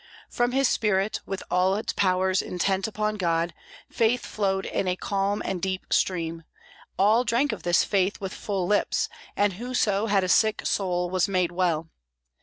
From his spirit, with all its powers intent upon God, faith flowed in a calm and deep stream; all drank of this faith with full lips, and whoso had a sick soul was made well.